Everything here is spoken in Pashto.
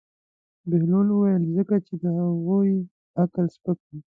بهلول وویل: ځکه چې د هغوی عقل سپک وي.